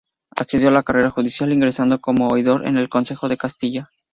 Accedió a la carrera judicial, ingresando como oidor en el Consejo de Castilla.